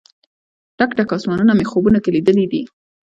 ډک، ډک اسمانونه مې خوبونو کې لیدلې دي